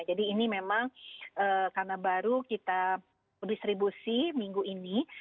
jadi ini memang karena baru kita distribusi minggu ini